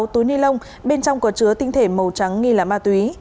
sáu túi ni lông bên trong có chứa tinh thể màu trắng nghi là ma túy